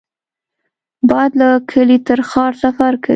باد له کلي تر ښار سفر کوي